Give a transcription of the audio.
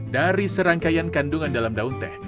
dari serangkaian kandungan dalam daun teh